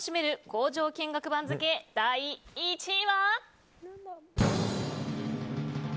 工場見学番付第１位は。